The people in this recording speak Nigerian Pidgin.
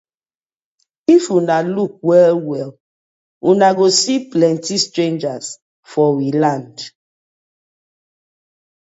If una luuk well well uno go see plenty strangers for we land.